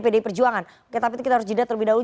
pdi perjuangan oke tapi kita harus jeda terlebih dahulu